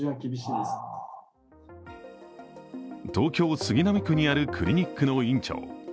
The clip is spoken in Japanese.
東京・杉並区にあるクリニックの院長。